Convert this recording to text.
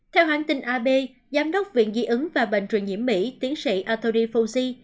theo hãng tin ab giám đốc viện diễn ứng và bệnh truyền nhiễm mỹ tiến sĩ arthur fossey